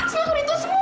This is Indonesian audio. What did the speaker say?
seharusnya itu semua